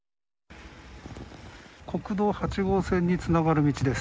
国道８号線につながる道です。